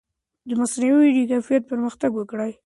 د مصنوعي ویډیو کیفیت پرمختګ کوي.